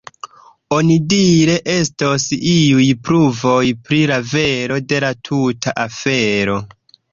Onidire estos iuj pruvoj pri la vero de la tuta afero.